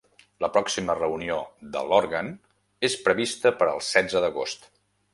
La pròxima reunió de l’òrgan és prevista per al setze d’agost.